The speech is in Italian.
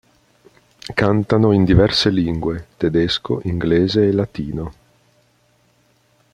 Cantano in diverse lingue: tedesco, inglese e latino.